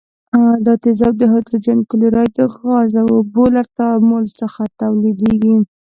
دا تیزاب د هایدروجن کلوراید د غاز او اوبو له تعامل څخه تولیدیږي.